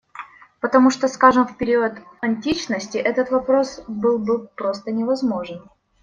Потому, что, скажем, в период античности этот вопрос был бы просто невозможен.